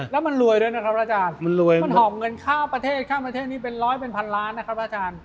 แล้วมันรวยด้วยนะครับอาจารย์มันรวยมันหอบเงินข้ามประเทศข้ามประเทศนี้เป็นร้อยเป็นพันล้านนะครับอาจารย์